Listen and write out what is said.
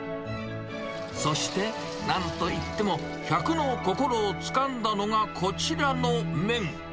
そして、なんといっても客の心をつかんだのがこちらの麺。